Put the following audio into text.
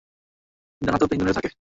ডানা তো পেঙ্গুইনেরও থাকে।